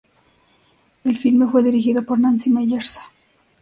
El filme fue dirigido por Nancy Meyers.